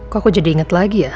kok aku jadi inget lagi ya